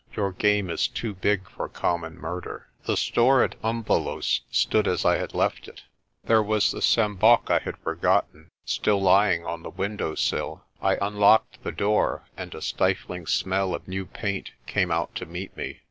"Your game is too big for common murder." The store at Umvelos' stood as I had left it. There was the sjambok I had forgotten still lying on the window sill. I unlocked the door and a stifling smell of new paint came out to meet me.